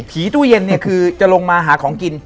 ตู้เย็นเนี่ยคือจะลงมาหาของกิน